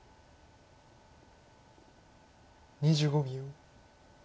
２５秒。